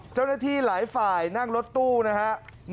เจ้าหน้าที่หลายฝ่ายนั่งรถตู้นะครับ